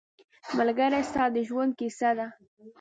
ملګری ستا د ژوند کیسه ده